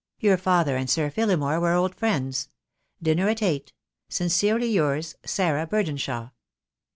Your father and Sir Phillimore were old friends. Dinner at eight. "Sincerely yours, "Sarah Burdenshaw."